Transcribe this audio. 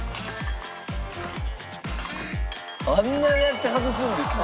あんなんやって外すんですね。